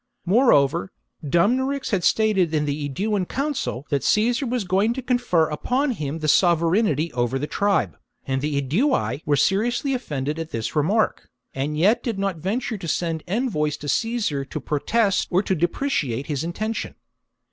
Moreover, Dumnorix had stated in the Aeduan council that Caesar was going to confer upon him the sovereignty over the tribe ; and the Aedui were seriously offended at this remark, and yet did not venture to send envoys to Caesar to pro test or to deprecate his intention.